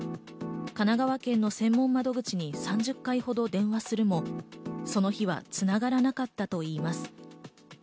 神奈川県の専門窓口に３０回ほど電話するも、その日は繋がらなかったといいます。